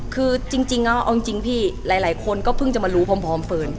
คือจริงเอาจริงพี่หลายคนก็เพิ่งจะมารู้พร้อมเฟิร์น